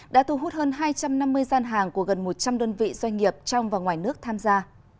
đã thu hút hơn hai trăm năm mươi gian hàng của gần một trăm linh đơn vị doanh nghiệp trong và ngoài nước tham gia